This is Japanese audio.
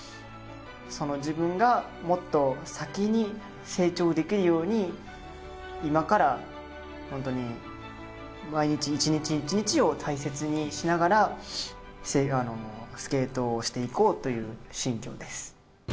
自分がもっと先に成長できるように今から毎日一日一日を大切にしながらスケートをしていこうという心境です。